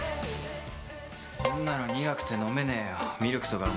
こんなの苦くて飲めねえよ。